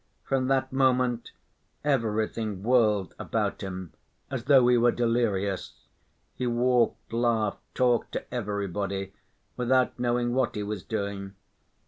From that moment everything whirled about him, as though he were delirious. He walked, laughed, talked to everybody, without knowing what he was doing.